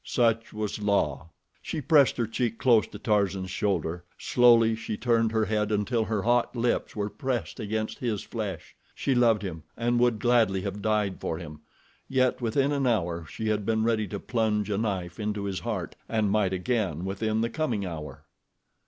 Such was La. She pressed her cheek close to Tarzan's shoulder. Slowly she turned her head until her hot lips were pressed against his flesh. She loved him and would gladly have died for him; yet within an hour she had been ready to plunge a knife into his heart and might again within the coming hour.